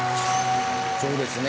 そうですね。